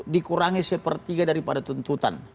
dikurangi sepertiga daripada tuntutan